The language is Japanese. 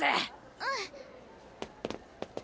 うん。